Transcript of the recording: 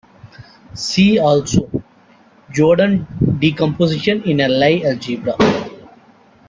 See also: Jordan decomposition in a Lie algebra.